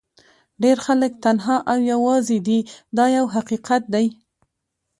ډېر خلک تنها او یوازې دي دا یو حقیقت دی.